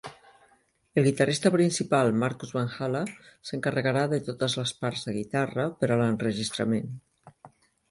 El guitarrista principal Markus Vanhala s'encarregarà de totes les parts de guitarra per a l'enregistrament.